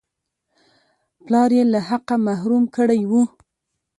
پلار یې له حقه محروم کړی وو.